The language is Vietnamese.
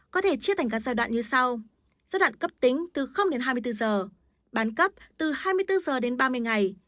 có thể chia thành các giai đoạn như sau giai đoạn cấp tính từ đến hai mươi bốn giờ bán cấp từ hai mươi bốn giờ đến ba mươi ngày